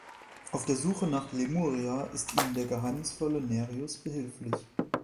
Auf der Suche nach Lemuria ist ihnen der geheimnisvolle Nerius behilflich.